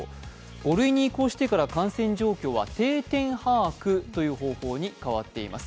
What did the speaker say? ５類に移行してから感染状況は定点把握という方法に変わっています。